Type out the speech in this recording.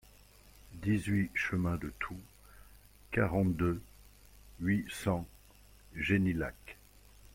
dix-huit chemin de Toux, quarante-deux, huit cents, Genilac